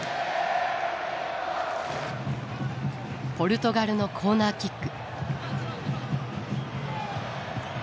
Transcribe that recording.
ポルトガルのコーナーキック。